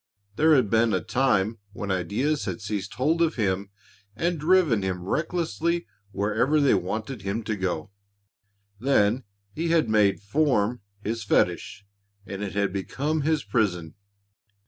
There had been a time when ideas had seized hold of him and driven him recklessly wherever they wanted him to go. Then he had made form his fetish and it had become his prison.